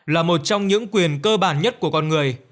là một trong những quyền cơ bản nhất của con người